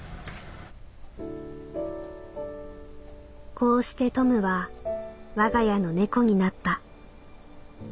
「こうしてトムは我が家の猫になった」。